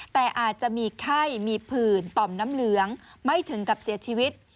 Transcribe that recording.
แต่อาจจะมีไข้มีผื่นต่อมน้ำเหลืองไม่ถึงกับเสียชีวิต